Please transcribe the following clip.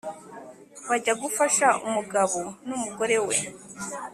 bajya gufasha umugabo n’umugore we.